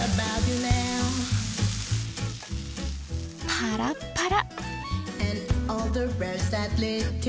パラッパラ！